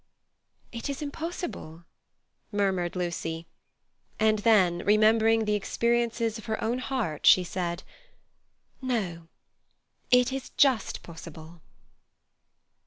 "It is impossible," murmured Lucy, and then, remembering the experiences of her own heart, she said: "No—it is just possible."